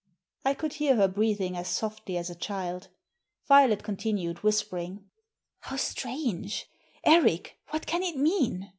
I could hear her breathing as softly as a child Violet continued whispering —" How strange ! Eric, what can it mean